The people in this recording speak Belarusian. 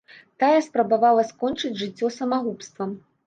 Тая спрабавала скончыць жыццё самагубствам.